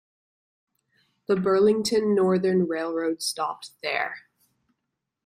The Burlington Northern Railroad stopped there.